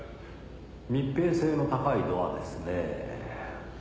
密閉性の高いドアですねぇ。